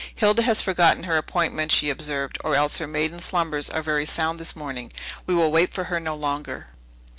"Hilda has forgotten her appointment," she observed, "or else her maiden slumbers are very sound this morning. We will wait for her no longer."